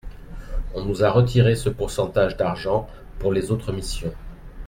On nous a retiré ce pourcentage d’argent pour les autres missions.